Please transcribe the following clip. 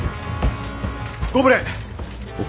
ご無礼。